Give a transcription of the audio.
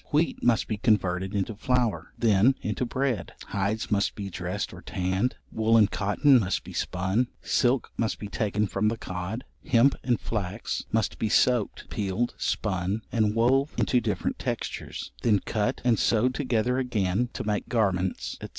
Wheat must be converted into flour, then into bread; hides must be dressed or tanned; wool and cotton must be spun; silk must be taken from the cod; hemp and flax must be soaked, peeled, spun, and wove into different textures; then cut and sewed together again to make garments, &c.